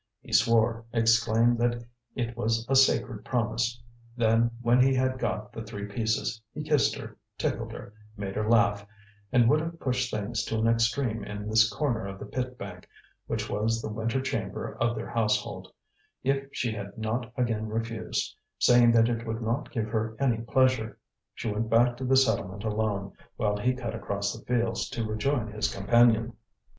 He swore, exclaimed that it was a sacred promise; then, when he had got the three pieces, he kissed her, tickled her, made her laugh, and would have pushed things to an extreme in this corner of the pit bank, which was the winter chamber of their household, if she had not again refused, saying that it would not give her any pleasure. She went back to the settlement alone, while he cut across the fields to rejoin his companion.